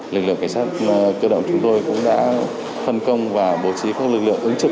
lực lượng cảnh sát cơ động chúng tôi cũng đã phân công và bố trí các lực lượng ứng trực